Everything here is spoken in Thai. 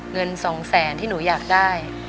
เงิน๒แสนที่หนูอยากได้